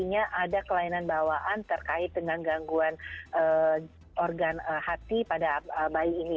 artinya ada kelainan bawaan terkait dengan gangguan organ hati pada bayi ini